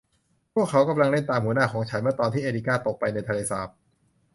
พวกเขากำลังเล่นตามหัวหน้าของฉัน เมื่อตอนที่เอริก้าตกไปในทะเลสาบ